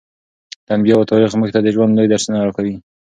د انبیاوو تاریخ موږ ته د ژوند لوی درسونه راکوي.